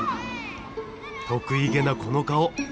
得意げなこの顔。